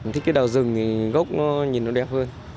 thích cái đào rừng thì gốc nó nhìn nó đẹp hơn